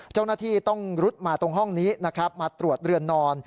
เจ้าหน้าที่ต้องรุดมาตรงห้องนี้นะครับมาตรวจเรือนนอน